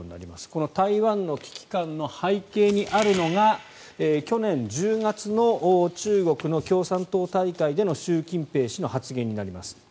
この台湾の危機感の背景にあるのは去年１０月の中国の共産党大会での習近平氏の発言になります。